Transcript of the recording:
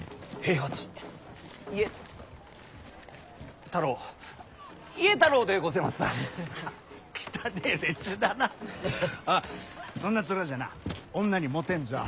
おうそんな面じゃな女にモテんぞ。